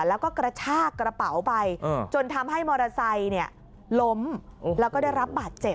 แล้วก็กระชากระเป๋าไปจนทำให้มอเตอร์ไซค์ล้มแล้วก็ได้รับบาดเจ็บ